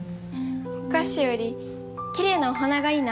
お菓子よりきれいなお花がいいな。